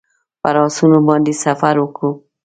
پر آسونو باندې سفر وکړو.